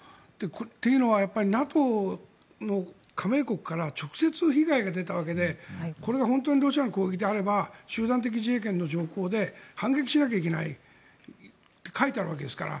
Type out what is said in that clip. というのはＮＡＴＯの加盟国から直接、被害が出たわけでこれが本当にロシアの攻撃であれば集団的自衛権の条項で反撃しなきゃいけないって書いてあるわけですから。